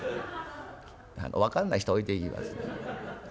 分かんない人は置いていきます。